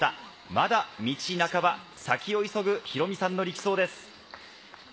まだ道半ば、先を急ぐヒロミさんの力走です。